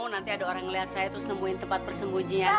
nanti ada orang ngelihat saya terus nemuin tempat persembunyian